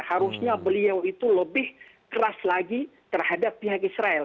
harusnya beliau itu lebih keras lagi terhadap pihak israel